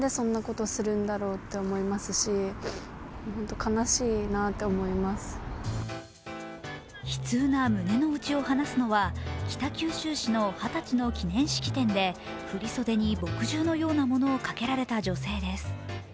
悲痛な胸のうちを話すのは北九州市の二十歳の記念式典で振り袖に墨汁のようなものをかけられた女性です。